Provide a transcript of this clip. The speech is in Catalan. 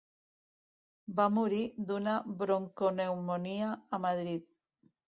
Va morir d'una broncopneumònia a Madrid.